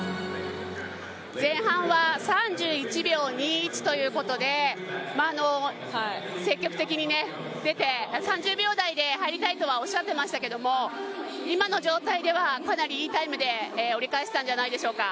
前半は３２秒２１ということで、積極的に出て３０秒台で入りたいとはおっしゃってましたけど今の状態ではかなりいいタイムで折り返したんではないでしょうか。